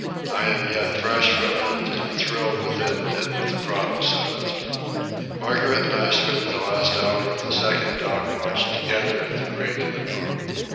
I am yet fresh from it, and athrill with it and with the promise of it. Margaret and I spent the last hour of the second dog watch together at the break of the poop.